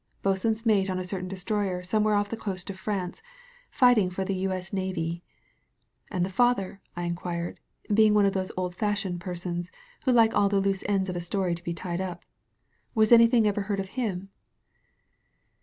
"Bo'sun's mate on a certain destroyer somewhere off the coast of France, fighting in the U. S. Navee." "And the father?" I inquired, being one of those old fashioned persons who like all the loose ends of a story to be tied up. "Was anything ever heard of him?"